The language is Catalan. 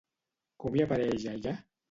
Com hi apareix allà?